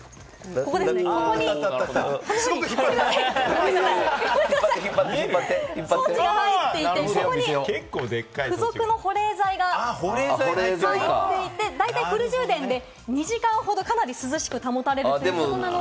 ここに装置が入っていて、付属の保冷剤が入っていて、フル充電で２時間ほど、かなり涼しく保たれるということです。